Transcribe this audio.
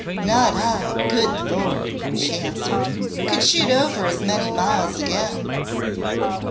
"Not I, good Lord!" she answered. "Could shoot over as many miles again."